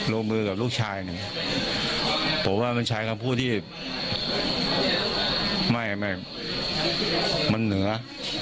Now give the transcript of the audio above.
ลงมือกับลูกชายเนี่ยผมว่ามันใช้คำพูดที่ไม่มันเหนือ